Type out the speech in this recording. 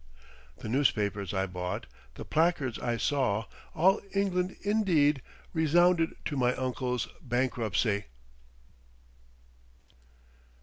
The newspapers I bought, the placards I saw, all England indeed resounded to my uncle's bankruptcy.